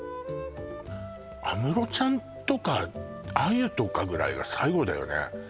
安室ちゃんとかあゆとかぐらいが最後だよね